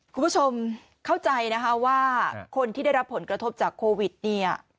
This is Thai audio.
คุณผู้ชมเข้าใจนะคะว่าคนที่ได้รับผลกระทบจากโควิดเนี่ย